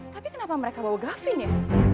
tapi kenapa mereka bawa gavin ya